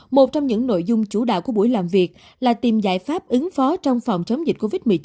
một trong những nội dung chủ đạo của buổi làm việc là tìm giải pháp ứng phó trong phòng chống dịch covid một mươi chín